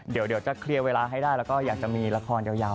เดี๋ยวจะเคลียร์เวลาให้ได้แล้วก็อยากจะมีละครยาว